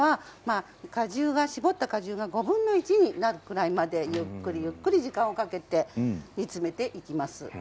搾った果汁は５分の１になるぐらいまでゆっくりゆっくり時間をかけて煮詰めていきます。